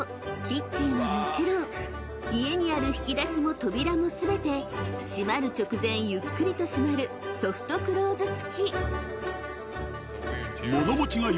キッチンはもちろん家にある引き出しも扉も全て閉まる直前ゆっくりと閉まるソフトクローズ付き］